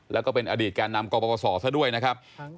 แล้วก็เป็นอดีตแก่นำกรปศซะด้วยนะครับ